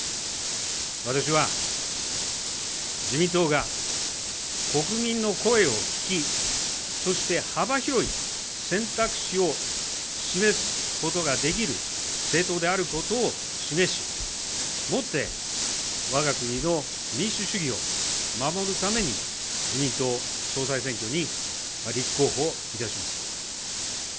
私は自民党が国民の声を聞き、そして幅広い選択肢を示すことができる政党であることを示し、もってわが国の民主主義を守るために、自民党総裁選挙に立候補いたします。